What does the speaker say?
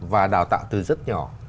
và đào tạo từ rất nhỏ